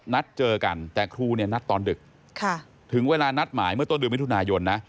นัดเจอกันแต่ครูเนี่ยนัดตอนดึกถึงเวลานัดหมายเมื่อต้นเดือนมิถุนายนนะ